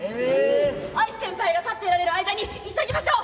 愛衣先輩が立ってられる間に急ぎましょう！